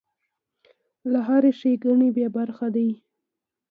له هرې ښېګڼې بې برخې دی.